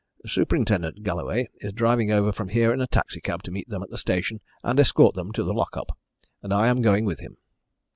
Superintendent Galloway is driving over from here in a taxicab to meet them at the station and escort them to the lock up, and I am going with him.